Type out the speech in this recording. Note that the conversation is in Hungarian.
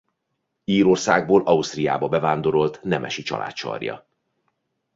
Írországból Ausztriába bevándorolt nemesi család sarja.